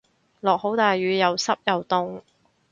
落好大雨又濕又凍